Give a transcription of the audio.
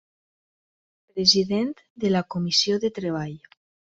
President de la Comissió de Treball.